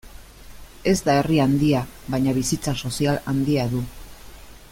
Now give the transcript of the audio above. Ez da herri handia, baina bizitza sozial handia du.